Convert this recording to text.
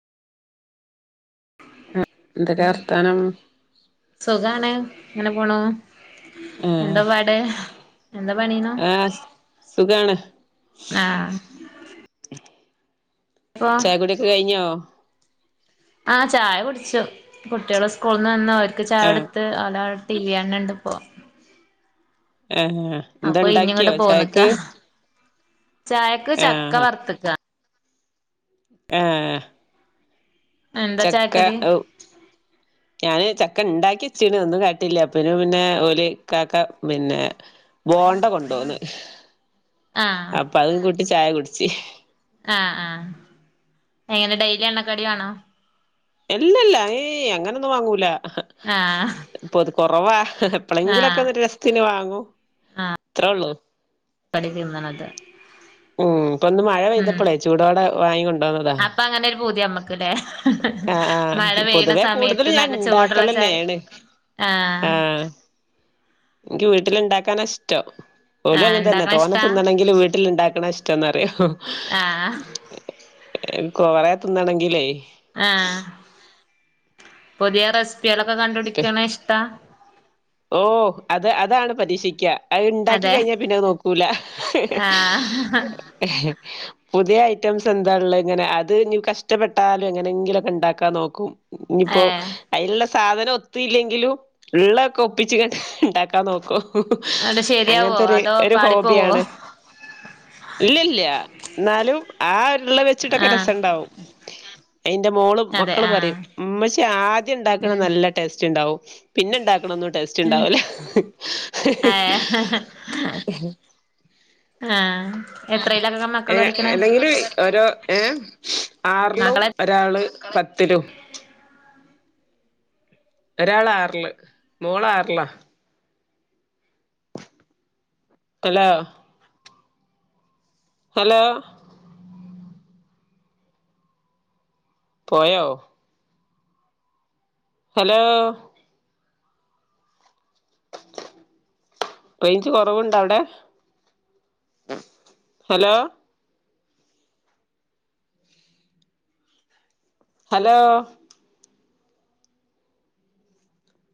ഉം എന്തൊക്കാ വർത്താനം ഇങ്ങനെ പോണു ആഹ് എന്താ പാട് എന്താ പണിയുണു ആഹ് സുഖാണ് ആ ചായ കുടി ഒക്കെ കഴിഞ്ഞോ ആ ചായ കുടിച്ചു കുട്ടികള് സ്കൂളിന്ന് വന്ന് അവര്ക്ക് ആഹ് ചായടുത്ത് അവര് ടി വി കാണണണ്ട് ഇപ്പൊ ആ ആ എന്ത ഇണ്ടാക്കിയോ ചായക്ക് പോന്ന്ക്കാ ചായക്ക് ചക്ക വറുത്ത്ക്ക ആ എന്താ ചക്ക ചായക്കടി ഞാന് ച ക്ക ഉണ്ടാക്കിചീന് ഒന്നും കാട്ടില്ല അപ്പെനും പിന്നെ ഓല് ഇക്കാക്ക പിന്നെ ബോണ്ട കൊണ്ടോന്ന് അപ്പൊ അതും കൂട്ടി ചായകു ച്ച് ആ ആ എങ്ങനെ ഡെയ്ലി എണ്ണക്കടി വേണോ എല്ലെല്ല ഏയ് അങ്ങനൊന്നും വാങ്ങൂല ആഹ് പ്പൊതു കൊ [unintelligible] എപ്പളേങ്കിലൊക്കെ ആഹ് അതൊരു രസത്തിന് വാങ്ങും ഉം ആഹ് ത്രേ ഉള്ളു [unintelligible] ഉം ഇപ്പൊ ഇന്ന് മഴ ഉം പെയ്തപ്പളേ ചൂടോടെ വാങ്ങി കൊണ്ടോന്നതാ അപ്പൊ അങ്ങനെ ഒരു പൂതി അമ്മക്ക്ല്ലേ ആ ആ മഴ പെയ്യണ പൊതുവേ കൂടുതൽ സമയത്ത് ഞാൻ നല്ല ചൂടുള്ള ചായ ഉണ്ടാക്കലെന്നേണ് ആ ആഹ് നിക്ക് വീട്ടില് ഇണ്ടാക്കാന ഇഷ്ടം ഓലും ആഹ് അങ്ങനെ തന്നെ ഇണ്ടാക്കണ തോന്നെ ഇഷ്ടാ തിന്നണെങ്കില് വീട്ടില്ണ്ടാ ക്കണാ ഇഷ്ടന്നറയും ആ ആ കൊറേ തിന്നണെങ്കിലേ ആ പുതിയ റെസ് പ്പികളൊക്കെ കണ്ടുടിക്കണേ ഇഷ്ടാ? ഓ അത് അതാണ് പരീക്ഷിക്ക അഅ് ഇണ്ടാക്കി അതെ കഴിഞ്ഞാൽ പിന്നത് നോക്കൂല ആഹ് [unintelligible] പുതിയ ഐറ്റംസ് എന്താ ഉള്ള ഇങ്ങനെ അത് ഇനി കഷ്ട്ടപ്പെട്ടാലും എങ്ങനെങ്കിലൊക്കെ ഉണ്ടാക്കാൻ നോക്കും ഇനിയിപ്പോ ഏഹ് അയിലുള്ള സാധനം ഒത്തില്ലെങ്കിലും ഉള്ള ഒപ്പിച്ച്ക്കാണ്ട് ഇണ്ടാക്കാൻ നോക്കും അന്നിട്ട് ശരിയാവോ അങ്ങനത്തെ ഒരു അതോ ഒരു പാളിപ്പോവോ ഹോബിയാണ് ഇല്ലല്ല എന്നാലും ആ ഉരുള്ള വെച്ചിട്ടൊക്കെ ആഹ് രസണ്ടാവും അയിന്റെ മോളും അതെ മക്കളും ആഹ് പറയും ഉമ്മച്ചി ആദ്യം ഉണ്ടാക്കണ ഉം നല്ല ടേസ്റ്റ് ഉണ്ടാവും പിന്നെണ്ടാക്ക ക്ണത് ടേസ്റ്റ് ഉം ഉണ്ടാവൂല ഏഹ് ആഹ് ആ എത്രയിലൊക്കെ മക്കൾ ഏ പഠിക്കണെ ഏന്തെങ്കിലും ഓരോ ഏ ആറിലും മക്കളെ ഒരാള് പത്തിലും ഒരാള് ആറില് മോള് ആറിലാ ഹലോ ഹലോ പോയോ ഹലോ റേഞ്ച് കൊറവുണ്ട അവിടെ ഹലോ ഹലോ